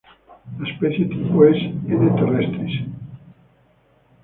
La especie tipo es "N. terrestris".